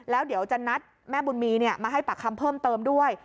แล้วเดี๋ยวจะนัดแม่บุญมีมาให้ปากคำเพิ่มเติมด้วย